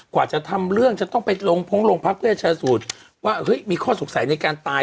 กว่าจะทำเรื่องจะต้องไปลงพงลงพักเพื่อชาสูตรว่าเฮ้ยมีข้อสงสัยในการตาย